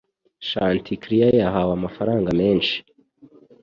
Chanticleer yahawe amafanga menshi